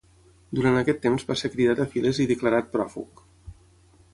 Durant aquest temps va ser cridat a files i declarat pròfug.